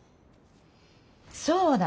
そうだ。